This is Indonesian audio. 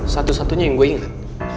satu satunya yang gue ingat